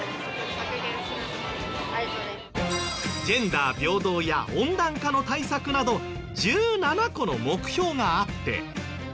ジェンダー平等や温暖化の対策など１７個の目標があって。